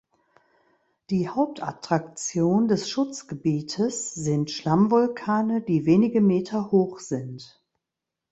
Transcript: Die Hauptattraktion des Schutzgebietes sind Schlammvulkane, die wenige Meter hoch sind.